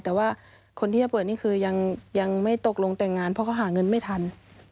แต่ว่าคนที่จะเปิดนี่คือยังไม่ตกลงแต่งงานเพราะเขาหาเงินไม่ทัน